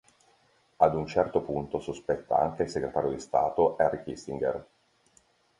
Ad un certo punto sospetta anche il Segretario di Stato Henry Kissinger.